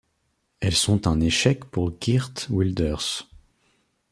Elles sont un échec pour Geert Wilders.